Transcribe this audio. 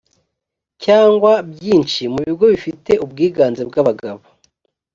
cyangwa byinshi mu bigo bifite ubwiganze bw’abagabo